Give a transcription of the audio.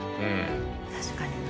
確かにな。